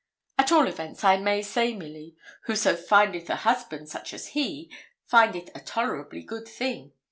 At all events, I may say, Milly, whoso findeth a husband such as he, findeth a tolerably good thing.